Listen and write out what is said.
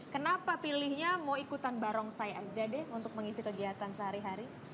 kenapa pilihnya mau ikutan barongsai aja deh untuk mengisi kegiatan sehari hari